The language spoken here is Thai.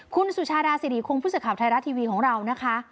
คุณสุชาดาสิริคงผู้สื่อข่าวไทยรัฐทีวีของเรานะคะ